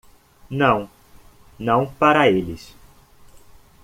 Não? não para eles.